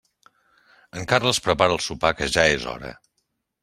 En Carles prepara el sopar que ja és hora.